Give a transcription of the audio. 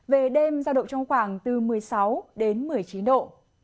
về đêm giao động trong khoảng từ một mươi sáu đến một mươi chín độ